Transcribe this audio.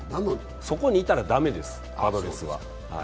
そこにいたらだめです、パドレスは。